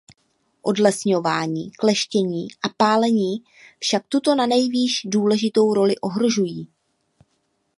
Odlesňování, klestění a pálení však tuto nanejvýš důležitou roli ohrožují.